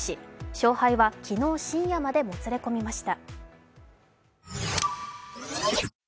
勝敗は昨日深夜までもつれ込みました。